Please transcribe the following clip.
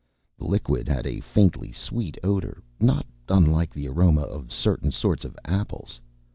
The liquid had a faintly sweet odour, not unlike the aroma of certain sorts of apples.